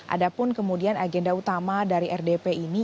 ada pun kemudian agenda utama dari rdp ini